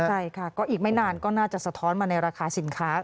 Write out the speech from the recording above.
ใช่ค่ะก็อีกไม่นานก็น่าจะสะท้อนมาในราคาสินค้า